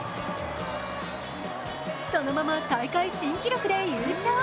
そのまま大会新記録で優勝。